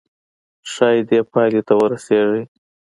ښايي دې پايلې ته ورسيږئ.